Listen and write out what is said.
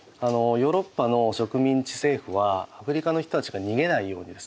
ヨーロッパの植民地政府はアフリカの人たちが逃げないようにですね